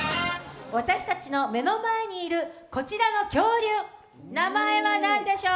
私たちの目の前にいるこちらの恐竜、名前は何でしょう？